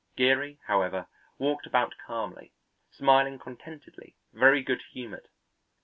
Geary, however, walked about calmly, smiling contentedly, very good humoured.